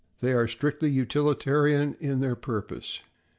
They are strictly utilitarian in their purpose.